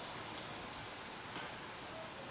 yang kedua secara khusus